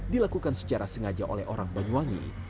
dilakukan secara sengaja oleh orang banyuwangi